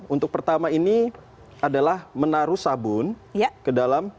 untuk pertama ini adalah menaruh sabun ke dalam